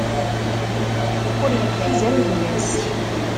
Ur yeqfiz am gma-s.